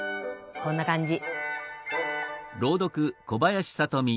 こんな感じ。